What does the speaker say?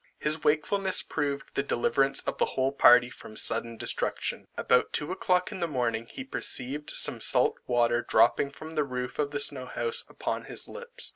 His wakefulness proved the deliverance of the whole party from sudden destruction. About two o'clock in the morning, he perceived some salt water dropping from the roof of the snow house upon his lips.